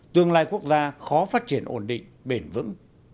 tương lai quốc gia khó phát triển ổn định bền vững